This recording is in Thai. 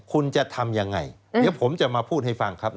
คุณจะทำยังไงเดี๋ยวผมจะมาพูดให้ฟังครับ